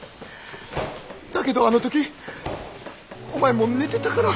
だけどあの時お前もう寝てたから。